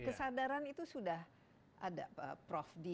kesadaran itu sudah ada prof di